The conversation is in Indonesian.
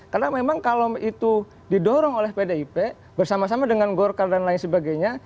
karena memang kalau itu didorong oleh pdip bersama sama dengan golkar dan lain sebagainya